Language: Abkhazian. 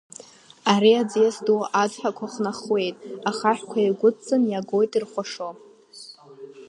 Ари аӡиас ду ацҳақәа хнахуеит, ахаҳәқәа еигәыдҵан иагоит ирхәашо.